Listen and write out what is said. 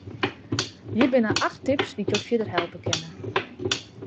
Hjir binne acht tips dy't jo fierder helpe kinne.